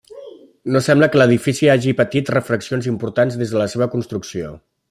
No sembla que l'edifici hagi patit refaccions importants des de la seva construcció.